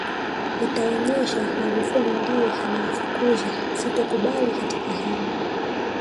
itaonesha Magufuli ndiye anawafukuza sitokubali katika hilo